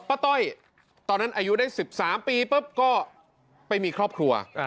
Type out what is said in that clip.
ต้อยตอนนั้นอายุได้๑๓ปีปุ๊บก็ไปมีครอบครัว